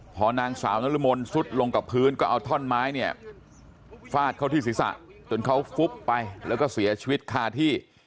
พอนางสาวนรมนซุดลงกับพื้นก็เอาท่อนไม้เนี่ยฟาดเข้าที่ศีรษะจนเขาฟุบไปแล้วก็เสียชีวิตคาที่